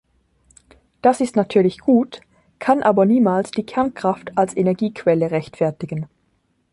Das ist natürlich gut, kann aber niemals die Kernkraft als Energiequelle rechtfertigen.